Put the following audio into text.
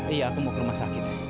iya aku mau ke rumah sakit